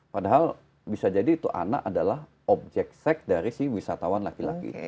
padahal bisa jadi itu anak adalah objek seks dari si wisatawan laki laki